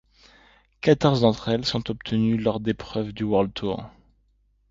Quatorze d'entre elles sont obtenues lors d'épreuves du World Tour.